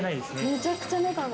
めちゃくちゃ仲が。